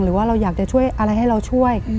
หรือว่าเราอยากจะช่วยอะไรให้เราช่วย